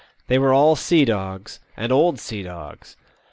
They were all sea dogs, and old sea dogs.